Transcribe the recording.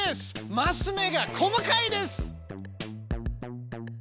マス目が細かいです。